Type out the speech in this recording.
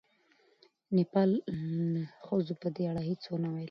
د نېپال ښځو په دې اړه هېڅ ونه ویل.